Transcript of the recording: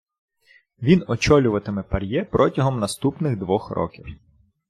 Він очолюватиме ПАРЄ протягом наступних двох років.